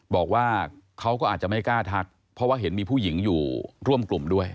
บอกว่าเขาก็อาจจะไม่กล้าทักเพราะว่าเห็นมีผู้หญิงอยู่ร่วมกลุ่มด้วย